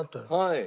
はい。